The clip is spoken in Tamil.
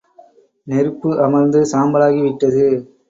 நெருப்பு அமர்ந்து சாம்பலாகி விட்டது.